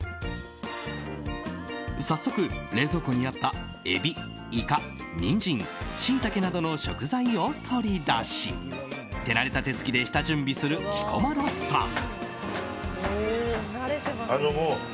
早速、冷蔵庫にあったエビ、イカ、ニンジンシイタケなどの食材を取り出し手慣れた手つきで下準備する彦摩呂さん。